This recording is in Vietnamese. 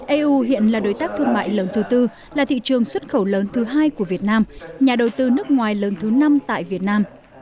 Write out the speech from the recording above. eu hiện là đối tác thương mại lớn thứ tư là thị trường xuất khẩu lớn thứ hai của việt nam nhà đầu tư nước ngoài lớn thứ năm tại việt nam